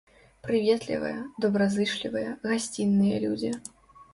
Прыветлівыя, добразычлівыя, гасцінныя людзі.